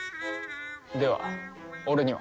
では俺には？